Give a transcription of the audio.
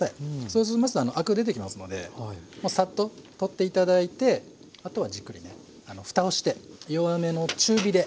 そうしますとアク出てきますのでサッと取って頂いてあとはじっくりねふたをして弱めの中火で。